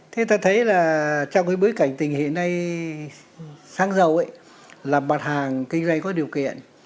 thế ta thấy là trong cái bối cảnh tình hiện nay xăng dầu ấy là mặt hàng kinh doanh có điều kiện